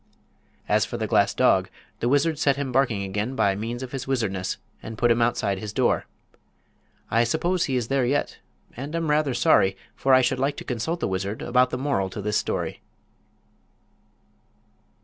As for the glass dog, the wizard set him barking again by means of his wizardness and put him outside his door. I suppose he is there yet, and am rather sorry, for I should like to consult the wizard about the moral to this story.